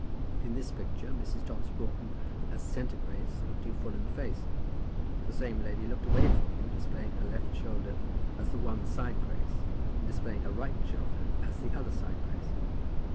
In this picture, Mrs. Dobbs Broughton as centre Grace looked you full in the face. The same lady looked away from you, displaying her left shoulder as one side Grace, and displaying her right shoulder as the other side Grace.